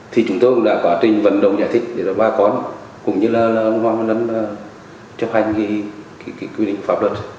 thì chúng tôi cũng đã quá trình vận động giải thích để bà con cũng như là hoàng văn luân chấp hành quyết định pháp luật